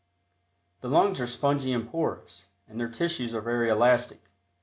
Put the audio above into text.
The lungs are spongy and porous, and their tissues are very elastic.